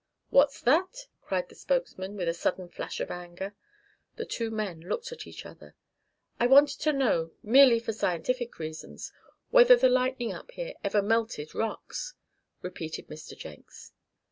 "What's that?" cried the spokesman, with a sudden flash of anger. The two men looked at each other. "I wanted to know, merely for scientific reasons, whether the lightning up here ever melted rocks?" repeated Mr. Jenks.